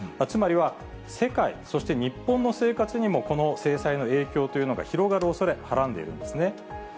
つまりは世界、そして日本の生活にも、この制裁の影響というのが広がるおそれ、はらんでいるんですね。